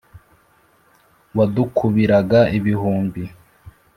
wadukubiraga ibihumbi